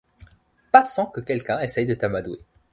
Pas sans que quelqu'un essaie de t'amadouer.